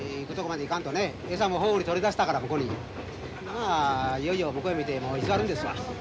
まあいよいよ向こうやめて居座るんですわ。